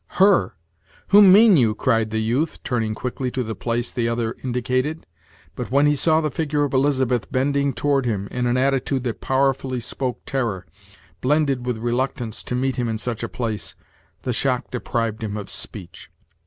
"Her! whom mean you?" cried the youth, turning quickly to the place the other indicated; but when he saw the figure of Elizabeth bending toward him in an attitude that powerfully spoke terror, blended with reluctance to meet him in such a place, the shock deprived him of speech.